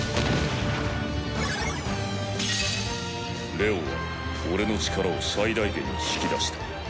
レオは俺の力を最大限に引き出した。